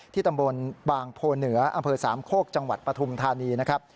ตำบลบางโพเหนืออำเภอสามโคกจังหวัดปฐุมธานีนะครับ